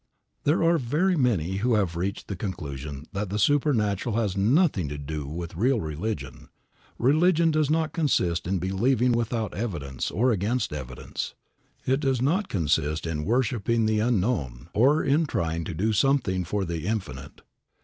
There are very many who have reached the conclusion that the supernatural has nothing to do with real religion. Religion does not consist in believing without evidence or against evidence. It does not consist in worshiping the unknown or in trying to do something for the Infinite.